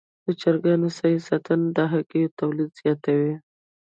د چرګانو صحي ساتنه د هګیو تولید زیاتوي.